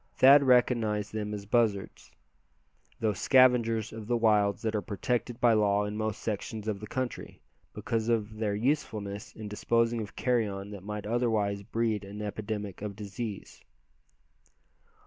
Thad recognized them as buzzards, those scavengers of the wilds that are protected by law in most sections of the country, because of their usefulness in disposing of carrion that might otherwise breed an epidemic of disease.